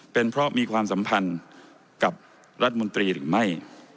เป็นเพราะมีความสัมพันธ์กับรัฐมนตรีหรือไม่